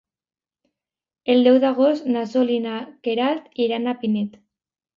El deu d'agost na Sol i na Queralt iran a Pinet.